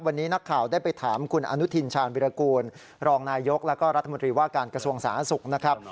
วันนี้นักข่าวได้ไปถามคุณอนุทินชาญวิรากูลรองนายยกแล้วก็รัฐมนตรีว่าการกระทรวงสาธารณสุขนะครับ